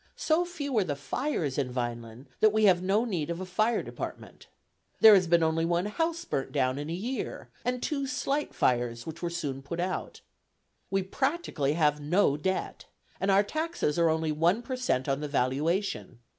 So few are the fires in Vineland, that we have no need of a fire department. There has only been one house burnt down in a year, and two slight fires, which were soon put out. We practically have no debt, and our taxes are only one per cent on the valuation.